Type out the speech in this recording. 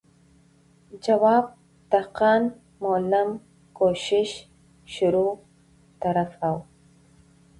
جواب، دهقان، معلم، کوشش، شروع، طرف او ...